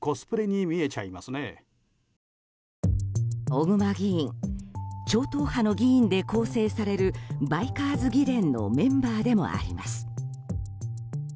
小熊議員超党派の議員で構成されるバイカーズ議連のメンバーでもあります。